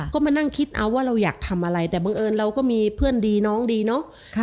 ก็มานั่งคิดเอาว่าเราอยากทำอะไรแต่บังเอิญเราก็มีเพื่อนดีน้องดีเนาะ